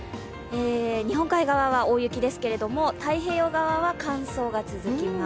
日本海側は大雪ですけれども、太平洋側は乾燥が続きます。